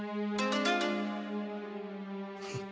フッ。